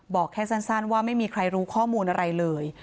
บอกแค่สั้นว่าไม่มีใครรู้ข้อมูลอะไรเลย